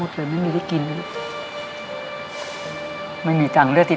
คือปกติเนี่ยฮะถ้าเราไม่มีหนี้